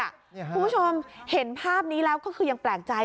คุณผู้ชมเห็นภาพนี้แล้วก็คือยังแปลกใจ